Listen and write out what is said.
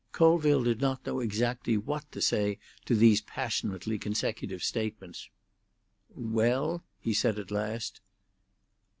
Colville did not know exactly what to say to these passionately consecutive statements. "Well?" he said at last.